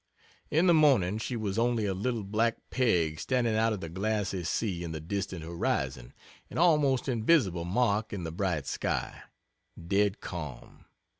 In the morning she was only a little black peg standing out of the glassy sea in the distant horizon an almost invisible mark in the bright sky. Dead calm.